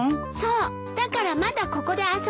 だからまだここで遊んでいてって。